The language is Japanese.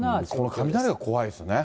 この雷が怖いですね。